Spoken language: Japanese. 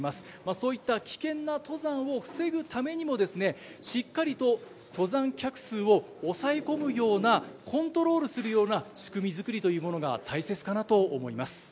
そういった危険な登山を防ぐためにも、しっかりと登山客数を抑え込むような、コントロールするような仕組み作りというものが大切かなと思います。